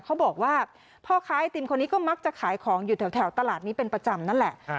เขาบอกว่าพ่อค้าไอติมคนนี้ก็มักจะขายของอยู่แถวตลาดนี้เป็นประจำนั่นแหละ